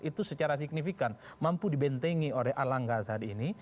itu secara signifikan mampu dibentengi oleh erlangga saat ini